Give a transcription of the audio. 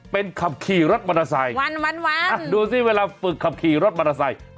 เป็นขับขี่รถมอเตอร์ไซค์วันดูสิเวลาฝึกขับขี่รถมอเตอร์ไซค์